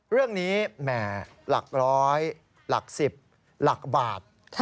เรื่องนี้แหม่หลักร้อยหลักสิบหลักบาท